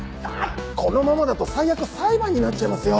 このままだと最悪裁判になっちゃいますよ。